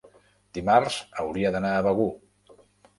dimarts hauria d'anar a Begur.